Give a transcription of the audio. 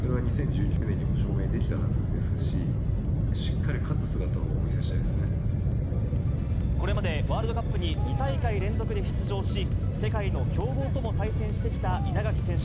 それは２０１９年にも証明できたはずですし、しっかり勝つ姿をおこれまでワールドカップに２大会連続で出場し、世界の強豪とも対戦してきた稲垣選手。